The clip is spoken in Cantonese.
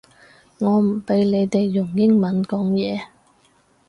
我唔畀你哋用英文講嘢